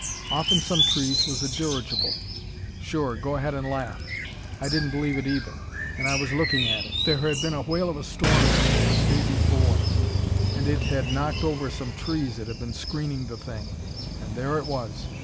"Off in some trees was a dirigible Sure; go ahead and laugh; I didn't believe it either, and I was looking at it. But there had been a whale of a storm through there the day before, and it had knocked over some trees that had been screening the thing, and there it was!